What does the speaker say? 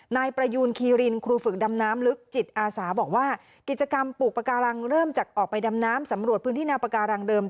นายประยูนคีรินครูฝึกดำน้ำลึกจิตอาสาบอกว่ากิจกรรมปลูกปากการังเริ่มจากออกไปดำน้ำสำรวจพื้นที่แนวปาการังเดิม